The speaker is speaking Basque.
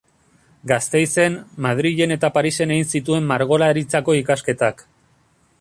Gasteizen, Madrilen eta Parisen egin zituen Margolaritzako ikasketak.